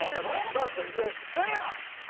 さあ続いてせいや。